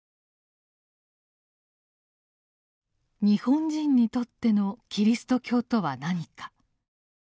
日本人にとってのキリスト教とは何か。